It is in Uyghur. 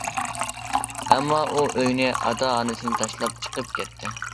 ئەمما ئۇ ئۆيىنى، ئاتا- ئانىسىنى تاشلاپ چىقىپ كەتتى.